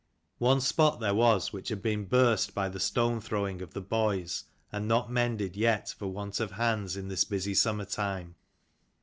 One spot there was which had been burst by the stone throwing of the boys, and not mended yet for want of hands in this busy summer time.